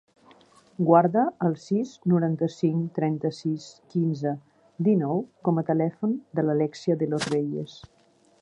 Guarda el sis, noranta-cinc, trenta-sis, quinze, dinou com a telèfon de l'Alèxia De Los Reyes.